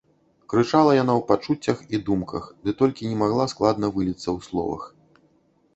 Крычала яна ў пачуццях і думках, ды толькі не магла складна выліцца ў словах.